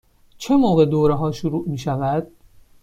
چه موقع دوره ها شروع می شود؟